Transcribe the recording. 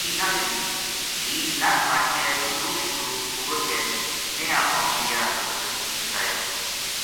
بیٹکی نہ دِتی بھی نس بھج کے بندوق شندوق اُگر کے میں اپنو بیاہ زبردستی کرایو